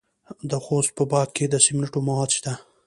د خوست په باک کې د سمنټو مواد شته.